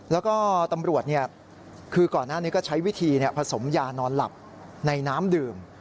แล้วก็ตำรวจคือก่อนหน้านี้ก็ใช้วิธีผสมยานอนหลับในน้ำดื่ม